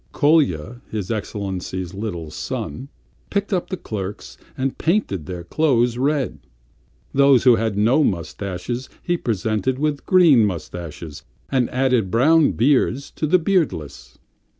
Kolya, his Excellency's little son, picked up the clerks and painted their clothes red. Those who had no moustaches he presented with green moustaches and added brown beards to the beardless.